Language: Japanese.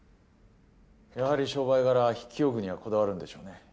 やはり商売柄筆記用具にはこだわるんでしょうね。